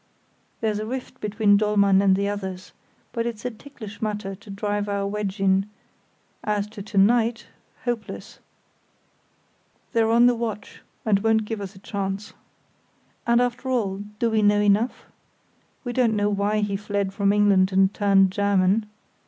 There's a rift between Dollmann and the others, but it's a ticklish matter to drive our wedge in; as to to night, hopeless; they're on the watch, and won't give us a chance. And after all, do we know enough? We don't know why he fled from England and turned German.